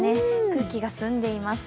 空気が澄んでいます。